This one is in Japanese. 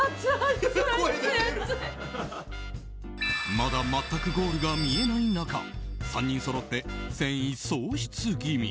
まだ全くゴールが見えない中３人そろって、戦意喪失気味。